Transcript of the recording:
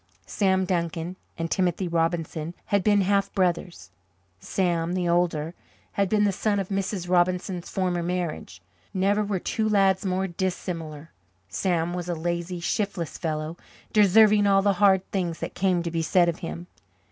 Sam Duncan and Timothy Robinson had been half brothers. Sam, the older, had been the son of Mrs. Robinson's former marriage. Never were two lads more dissimilar. Sam was a lazy, shiftless fellow, deserving all the hard things that came to be said of him.